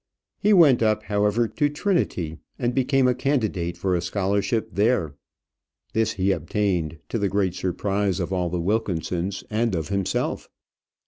He went up, however, to Trinity, and became a candidate for a scholarship there. This he obtained to the great surprise of all the Wilkinsons and of himself.